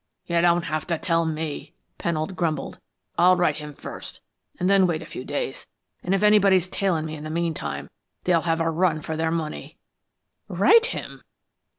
"You don't have to tell me!" Pennold grumbled. "I'll write him first and then wait a few days, and if anyone's tailing me in the meantime, they'll have a run for their money." "Write him!"